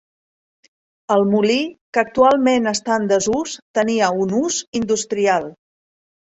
El molí, que actualment està en desús, tenia un ús industrial.